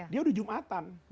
dia udah jumatan